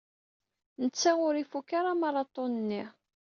Netta ur ifuk ara amaraṭun-nni.